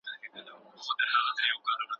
د انارګل او نارنج ګل او ګل غونډیو راځي